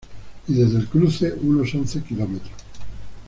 Y desde el cruce, unos once kilómetros.